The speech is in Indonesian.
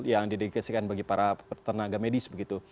yang didedikasikan bagi para tenaga medis begitu